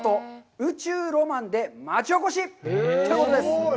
宇宙ロマンで町おこし」ということです。